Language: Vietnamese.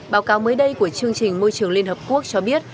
báo cáo mới đây của chương trình môi trường liên hợp quốc cho biết